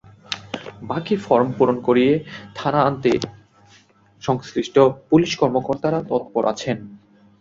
বাকি ফরম পূরণ করিয়ে থানায় আনতে সংশ্লিষ্ট পুলিশ কর্মকর্তারা তৎপর আছেন।